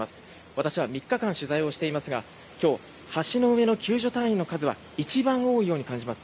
私は３日間取材をしていますが今日の橋の上の救助隊員の数は一番多いように感じます。